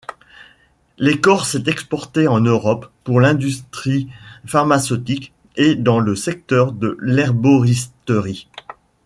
L'écorce est exportée en Europe pour l'industrie pharmaceutique et dans le secteur de l'herboristerie.